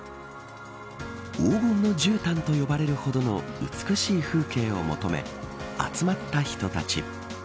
黄金のじゅうたんと呼ばれるほどの美しい風景を求め集まった人たち。